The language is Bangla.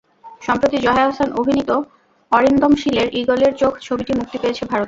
সম্প্রতি জয়া আহসান অভিনীত অরিন্দম শীলের ইগলের চোখ ছবিটি মুক্তি পেয়েছে ভারতে।